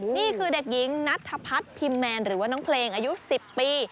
นี่คือเด็กหญิงนัทธพัฒน์พิมแมนหรือว่าน้องเพลงอายุ๑๐ปี